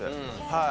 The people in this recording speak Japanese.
はい。